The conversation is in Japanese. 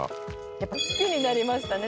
やっぱ好きになりましたね